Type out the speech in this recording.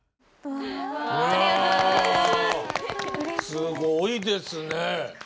すごいですね。